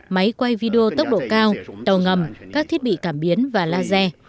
máy quay video tốc độ cao tàu ngầm các thiết bị cảm biến và laser